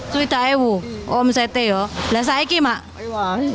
suida ewu omset ya bagaimana ini ma'yye